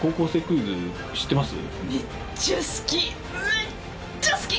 めっちゃ好き！